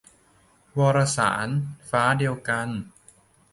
วารสาร ฟ้าเดียวกัน